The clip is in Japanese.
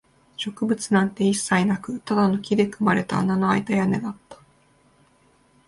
植物なんて一切なく、ただの木で組まれた穴のあいた屋根だった